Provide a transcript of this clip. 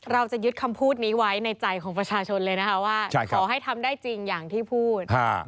เราจะยึดคำพูดนี้ไว้ในใจของประชาชนเลยนะคะว่าขอให้ทำได้จริงอย่างที่พูด